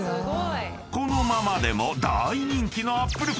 ［このままでも大人気のアップルパイ］